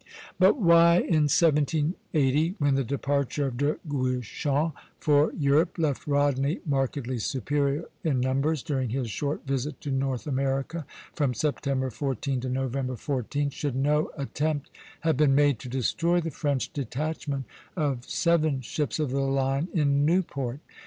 But why, in 1780, when the departure of De Guichen for Europe left Rodney markedly superior in numbers during his short visit to North America, from September 14 to November 14, should no attempt have been made to destroy the French detachment of seven ships of the line in Newport?